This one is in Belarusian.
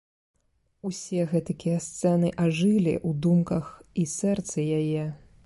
Усе гэтакія сцэны ажылі ў думках і сэрцы яе.